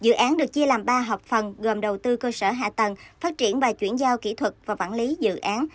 dự án được chia làm ba hợp phần gồm đầu tư cơ sở hạ tầng phát triển và chuyển giao kỹ thuật và vản lý dự án